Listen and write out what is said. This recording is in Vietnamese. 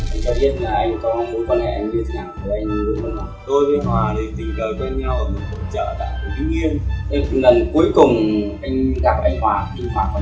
anh cho biết là anh có mối quan hệ như thế nào với anh vũ quân hỏa